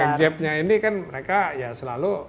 yang gapnya ini kan mereka ya selalu